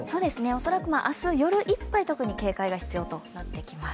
恐らく明日夜いっぱい、特に警戒が必要となってきます。